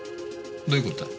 どういう事だ？